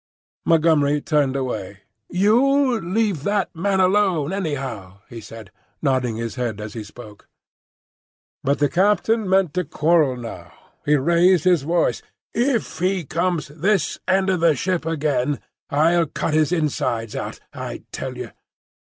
Montgomery turned away. "You leave that man alone, anyhow," he said, nodding his head as he spoke. But the captain meant to quarrel now. He raised his voice. "If he comes this end of the ship again I'll cut his insides out, I tell you.